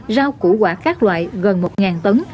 rau củ quả khác loại gần một tấn